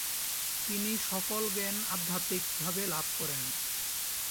তিনি সকল জ্ঞান আধ্যাত্মিক ভাবে লাভ করেন।